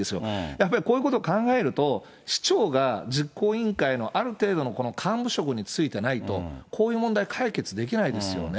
やっぱりこういうことを考えると、市長が実行委員会のある程度の幹部職に就いてないと、こういう問題、解決できないですよね。